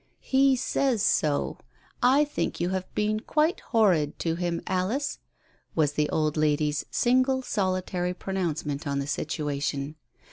"He says so. I think you have been quite horrid to him, Alice !" was the old lady's single solitary pro nouncement on the situation.